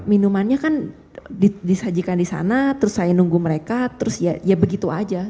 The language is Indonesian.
minumannya kan disajikan di sana terus saya nunggu mereka terus ya begitu aja